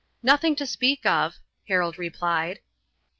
"Nothing to speak of," Harold replied.